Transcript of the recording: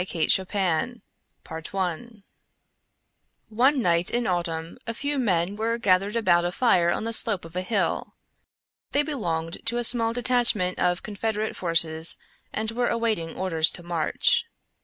THE LOCKET I One night in autumn a few men were gathered about a fire on the slope of a hill. They belonged to a small detachment of Confederate forces and were awaiting orders to march.